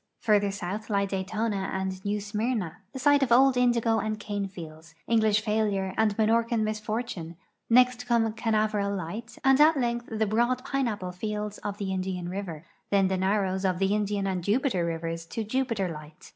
Further south lie Daytona and New Smyrna, the site of old indigo and cane fields, English failure and Minorcan misfortune ; next come Canaveral light and at length the broad pineai)})le fields of the Indian river; then the narrows of the Indian and Jupiter rivers to Jui)iter light.